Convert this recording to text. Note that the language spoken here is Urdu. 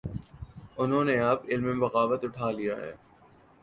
انہوں نے اب علم بغاوت اٹھا لیا ہے۔